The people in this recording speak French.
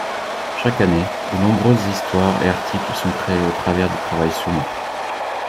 Chaque année, de nombreuses histoires et articles sont créés au travers du travail soumis.